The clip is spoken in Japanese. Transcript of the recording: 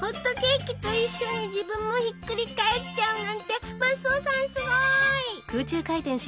ホットケーキと一緒に自分もひっくり返っちゃうなんてマスオさんすごい！